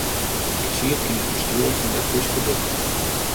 Ik siet yn it bestjoer fan It Fryske Boek.